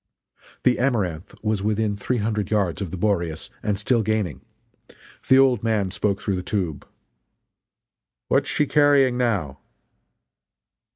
The Amaranth was within three hundred yards of the Boreas, and still gaining. The "old man" spoke through the tube: "What is she carrying now?"